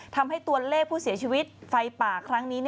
ทำให้ตัวเลขผู้เสียชีวิตไฟป่าครั้งนี้